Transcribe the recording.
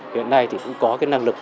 hiện nay thì cũng có cái năng lực